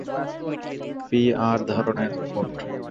P R ধরনের robot.